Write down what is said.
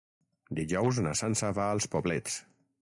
Dijous na Sança va als Poblets.